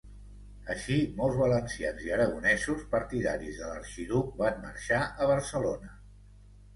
Així molts valencians i aragonesos partidaris de l'Arxiduc van marxar a Barcelona.